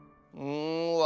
うん。